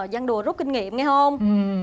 giang đùa rút kinh nghiệm nghe không